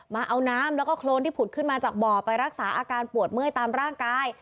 มาเอาน้ำแล้วก็โครนที่ผุดขึ้นมาจากบ่อไปรักษาอาการปวดเมื่อยตามร่างกาย